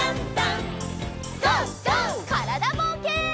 からだぼうけん。